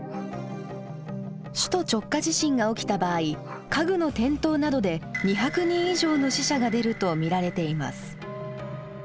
首都直下地震が起きた場合家具の転倒などで２００人以上の死者が出ると見られています。